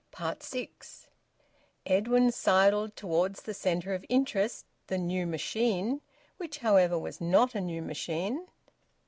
SIX. Edwin sidled towards the centre of interest, the new machine, which, however, was not a new machine.